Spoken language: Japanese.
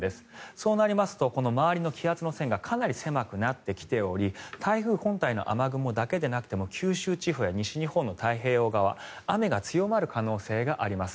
そうなりますと周りの気圧の線がかなり狭くなってきており台風本体の雨雲だけでなくても九州地方や西日本の太平洋側雨が強まる可能性があります。